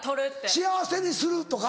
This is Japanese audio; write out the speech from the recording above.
「幸せにする！」とか。